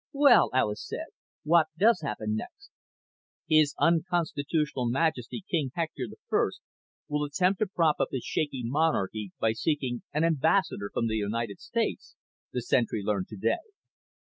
"Well," Alis said, "what does happen next?" "'His Unconstitutional Majesty, King Hector I, will attempt to prop up his shaky monarchy by seeking an ambassador from the United States, the Sentry learned today.